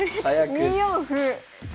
２四歩。